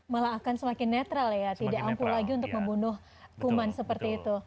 malah akan semakin netral ya tidak ampuh lagi untuk membunuh kuman seperti itu